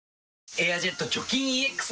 「エアジェット除菌ＥＸ」